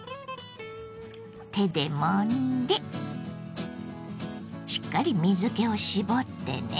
手でもんでしっかり水けを絞ってね。